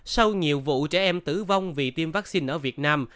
sau nhiều vụ trẻ em tử vong vì tiêm vaccine ở việt nam